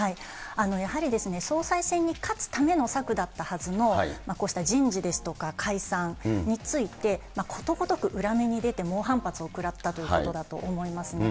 やはり総裁選に勝つための策だったはずのこうした人事ですとか解散について、ことごとく裏目に出て、猛反発を食らったというところだと思いますね。